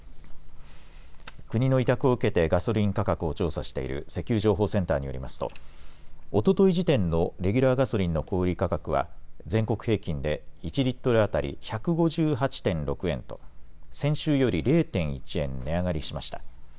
国の委託を受けてガソリン価格を調査している石油情報センターによりますと、おととい時点のレギュラーガソリンの小売り価格は、全国平均で１リットル当たり１５８．６円と、先週より０．１円値上がりしました。